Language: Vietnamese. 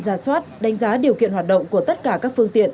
ra soát đánh giá điều kiện hoạt động của tất cả các phương tiện